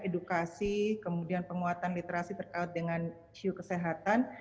edukasi kemudian penguatan literasi terkait dengan isu kesehatan